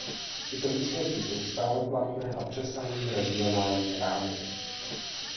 Tyto výsledky jsou stále platné a přesahují regionální rámec.